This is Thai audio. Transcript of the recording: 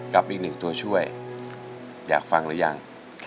กับอีกหนึ่งตัวช่วยอยากฟังหรือยัง